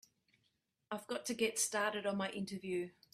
I've got to get started on my interview.